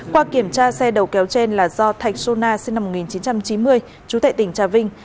qua kiểm tra xe đầu kéo trên là do thạch sô na sinh năm một nghìn chín trăm chín mươi chú tệ tỉnh trà vinh